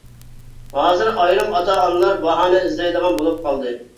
ھازىر ئايرىم ئاتا-ئانىلار باھانە ئىزدەيدىغان بولۇپ قالدى.